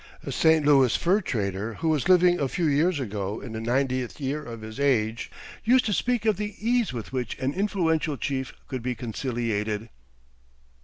A St. Louis fur trader, who was living a few years ago in the ninetieth year of his age, used to speak of the ease with which an influential chief could be conciliated.